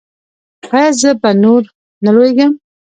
ایا زه به نور نه لویږم؟